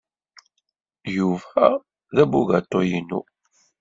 Yuba d abugaṭu-inu.